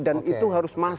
dan itu harus masif gitu